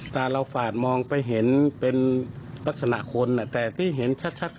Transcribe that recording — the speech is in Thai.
แปบนี้คนเมื่อที่นี้เห็นชัด